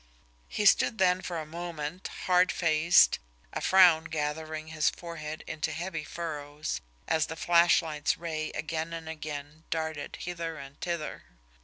He stood then for a moment, hardfaced, a frown gathering his forehead into heavy furrows, as the flashlight's ray again and again darted hither and thither.